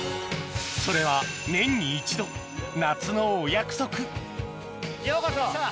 それは年に一度夏のお約束